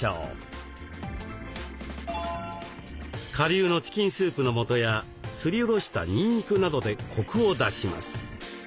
顆粒のチキンスープの素やすりおろしたにんにくなどでコクを出します。